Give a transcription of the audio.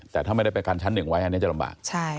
แต่ถ้าไม่ได้ไปกันชั้น๑ไว้อันนี้จะลำบาก